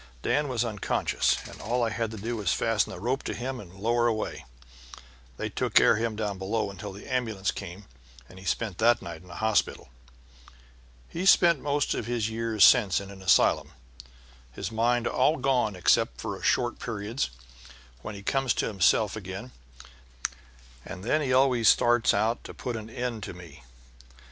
Dan was unconscious, and all I had to do was fasten a rope to him and lower away. They took care of him down below until the ambulance came, and he spent that night in a hospital. And he's spent most of his years since then in an asylum, his mind all gone except for short periods, when he comes to himself again, and then he always starts out to put an end to me.